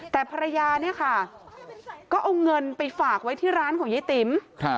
แต่ภรรยาเนี่ยค่ะก็เอาเงินไปฝากไว้ที่ร้านของยายติ๋ม